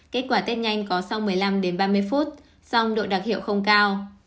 kết quả test nhanh có song một mươi năm ba mươi phút song độ đặc hiệu không cao